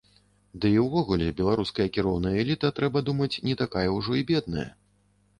Ды і ўвогуле беларуская кіроўная эліта, трэба думаць, не такая ўжо і бедная.